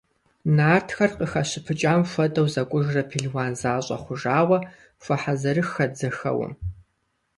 Нартхэр, къыхащыпыкӀам хуэдэу зэкӀужрэ пелуан защӀэ хъужауэ, хуэхьэзырыххэт зэхэуэм.